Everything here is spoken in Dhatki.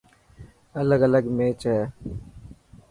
الگ الگ ميچ هي.